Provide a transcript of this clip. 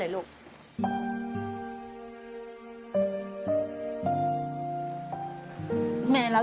ขอบคุณครับ